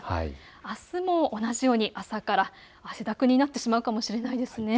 あすも同じように朝から汗だくになってしまうかもしれないです。